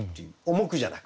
重くじゃなくて。